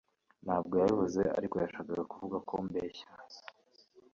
Ntabwo yabivuze ariko yashakaga kuvuga ko mbeshya